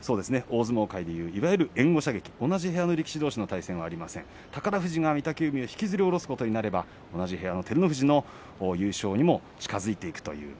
大相撲界でいういわゆる援護射撃同じ部屋の力士どうしの対戦がありませんで、宝富士が御嶽海を引きずり降ろすことになれば同じ部屋の照ノ富士が優勝に近づいていく。